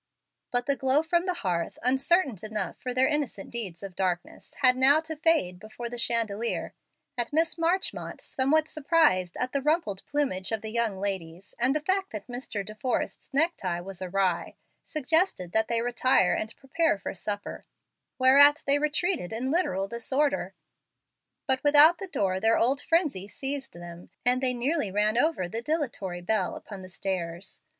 But the glow from the hearth, uncertain enough for their innocent deeds of darkness, had now to fade before the chandelier, and Mrs. Marchmont, somewhat surprised at the rumpled plumage of the young ladies, and the fact that Mr. De Forrest's neck tie was awry, suggested that they retire and prepare for supper, whereat they retreated in literal disorder. But without the door their old frenzy seized them, and they nearly ran over the dilatory Bel upon the stairs.